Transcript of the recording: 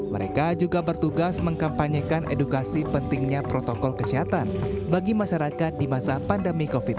mereka juga bertugas mengkampanyekan edukasi pentingnya protokol kesehatan bagi masyarakat di masa pandemi covid sembilan belas